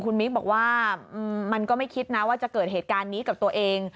คุณมิ๊กบอกว่ามันก็ไม่คิดนะว่าจะเกิดเหตุการณ์นี้กับตัวเอง